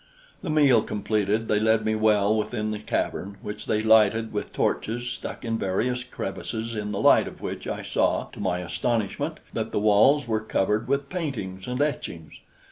The meal completed, they led me well within the cavern, which they lighted with torches stuck in various crevices in the light of which I saw, to my astonishment, that the walls were covered with paintings and etchings.